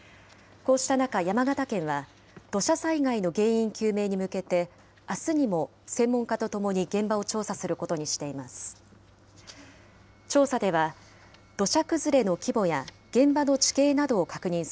こうした中、山形県は土砂災害の原因究明に向けて、あすにも専門家と共に現場を調査することにしています。